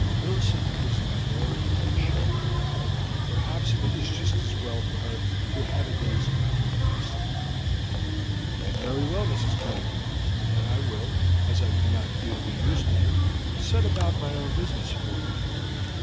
"Millicent is unnerved and shaken, and perhaps it is just as well for her to have a day's complete rest." "Very well, Mrs. Cunningham; then I will, as I cannot be of any use to you, set about my own business for the day.